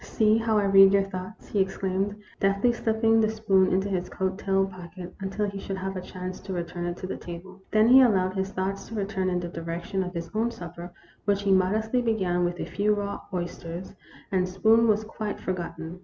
" See how I read your thoughts !" he exclaimed, deftly slipping the spoon into his coat tail pocket, until he should have a chance to return it to the table. Then he allowed his thoughts to turn in the direc tion of his own supper, which he modestly began with a few raw oysters, and the spoon was quite for gotten.